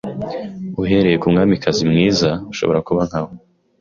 Uhereye ku mwamikazi mwiza ushobora kuba nkawe